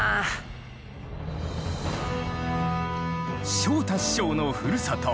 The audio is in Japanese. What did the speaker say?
昇太師匠のふるさと